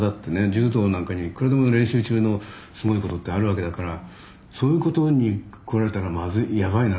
柔道なんかにはいくらでも練習中のすごいことってあるわけだからそういうことにこられたらまずいやばいなあとか思ってたり。